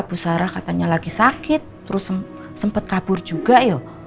ibu sarah katanya lagi sakit terus sempat kabur juga ya